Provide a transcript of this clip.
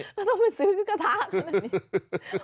ยังต้องไปซื้อกระทะนี้